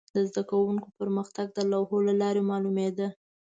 د زده کوونکو پرمختګ د لوحو له لارې معلومېده.